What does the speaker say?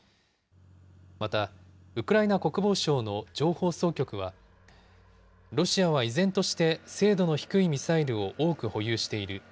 また、ウクライナ国防省の情報総局はロシアは依然として、精度の低いミサイルを多く保有している。